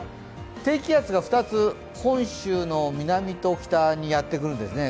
低気圧が２つ、本州の南と北にやってくるんですね。